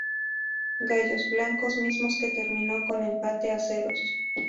Gallos Blancos, mismo que terminó con empate a ceros.